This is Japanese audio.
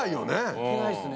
行けないですね。